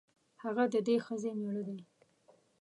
هغه د دې ښځې مېړه دی.